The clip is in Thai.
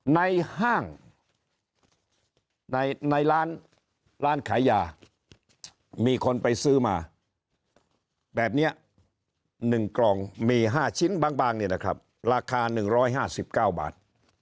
ห้างในร้านขายยามีคนไปซื้อมาแบบนี้๑กล่องมี๕ชิ้นบางเนี่ยนะครับราคา๑๕๙บาท